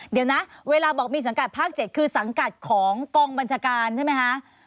เดี๋ยวนะเวลาบอกมีสังกัดภาค๗คือสังกัดของกองบัญชาการใช่ไหมคะ